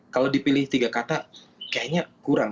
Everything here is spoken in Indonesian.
kalau dipilih tiga kata kayaknya kurang